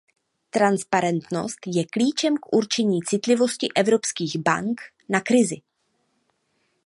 Transparentnost je klíčem k určení citlivosti evropských bank na krizi.